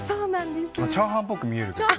チャーハンっぽく見えるけど。